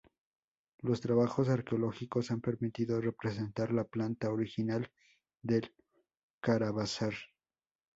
Los trabajos arqueológicos han permitido representar la planta original del caravasar.